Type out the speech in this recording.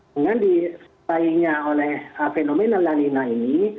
dengan disampaikan oleh fenomena lanina ini